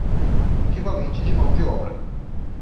Equivalente de mão de obra